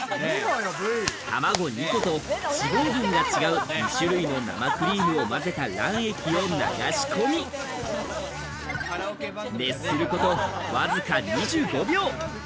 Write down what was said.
卵２個と脂肪分が違う２種類の生クリームを混ぜた卵液を流し込み、熱することわずか２５秒。